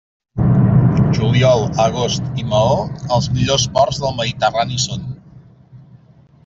Juliol, agost i Maó, els millors ports del Mediterrani són.